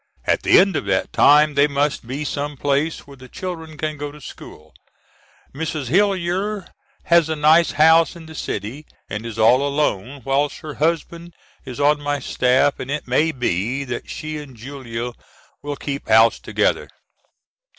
At the end of that time they must be some place where the children can go to school. Mrs. Hillyer has a nice house in the city and is all alone whilst her husband is on my staff, and it may be that she and Julia will keep house together.